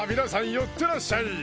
寄ってらっしゃい